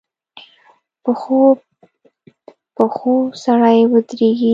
پخو پښو سړی ودرېږي